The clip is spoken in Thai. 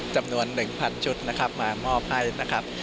จำนวน๑๐๐ชุดนะครับมามอบให้นะครับ